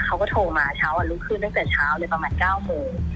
เขาก็โทรมาเช้าวันรุ่งขึ้นตั้งแต่เช้าเลยประมาณ๙โมง